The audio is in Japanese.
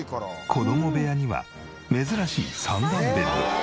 子供部屋には珍しい３段ベッド。